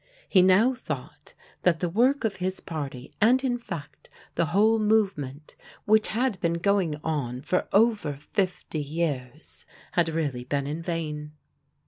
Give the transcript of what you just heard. He now thought that the work of his party, and, in fact, the whole movement, which had been going on for over fifty years, had really been in vain.